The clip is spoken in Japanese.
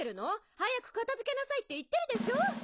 早く片づけなさいって言ってるでしょ！？